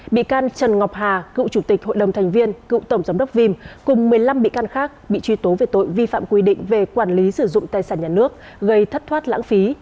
bị can trần ngọc hà cựu chủ tịch hội đồng thành viên cựu tổng giám đốc vim cùng một mươi năm bị can khác bị truy tố về tội vi phạm quy định về quản lý sử dụng tài sản nhà nước gây thất thoát lãng phí